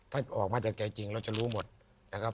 ถ้าออกมาจากใจจริงเราจะรู้หมดนะครับ